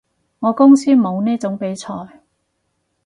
我公司冇呢種比賽